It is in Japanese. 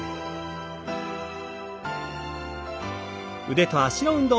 腕と脚の運動。